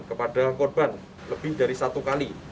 kepada korban lebih dari satu kali